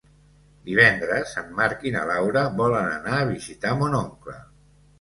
Divendres en Marc i na Laura volen anar a visitar mon oncle.